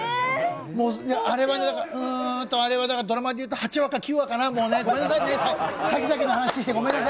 あれはね、うーんとだからドラマで言うと８話か９話かな、ごめんなさいね、先々の話して。